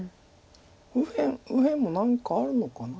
右辺も何かあるのかな。